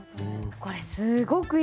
これすごくいいですね。